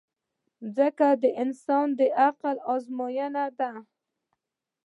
مځکه د انسان د عقل ازموینه ده.